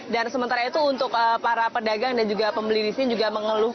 dan sementara itu untuk para pedagang dan juga pembeli di sini juga mengeluh